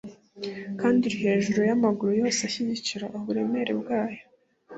kandi iri hejuru yamaguru yose ashyigikira uburemere bwayo